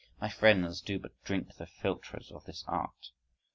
My friends, do but drink the philtres of this art!